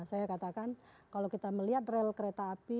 saya katakan kalau kita melihat rel kereta api